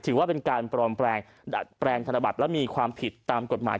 ถือว่าเป็นการปลอมแปลงดัดแปลงธนบัตรและมีความผิดตามกฎหมาย